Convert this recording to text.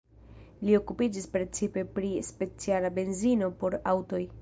Li okupiĝis precipe pri speciala benzino por aŭtoj.